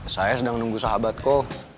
saya sedang nunggu sahabatku